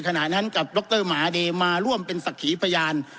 ในขณะนั้นกับดรหมาเดมาร่วมเป็นสัขหรีพยาน